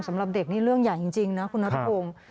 สำหรับเด็กนี่เรื่องใหญ่จริงนะคุณนัทพงศ์